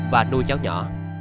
và nuôi cháu nhỏ